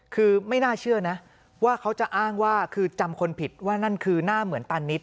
คือไม่น่าเชื่อนะว่าเขาจะอ้างว่าคือจำคนผิดว่านั่นคือหน้าเหมือนตานิด